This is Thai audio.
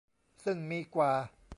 ซึ่งมีกว่า